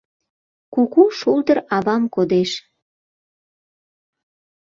Куку шулдыр авам кодеш.